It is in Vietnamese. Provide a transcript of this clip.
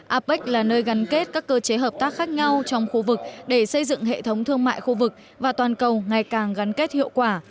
apec là nơi gắn kết các cơ chế hợp tác khác nhau trong khu vực để xây dựng hệ thống thương mại khu vực và toàn cầu ngày càng gắn kết hiệu quả